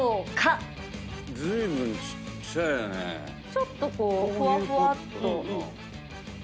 ちょっとふわふわっと。